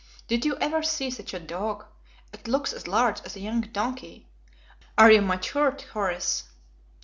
Did you ever see such a dog? It looks as large as a young donkey. Are you much hurt, Horace?"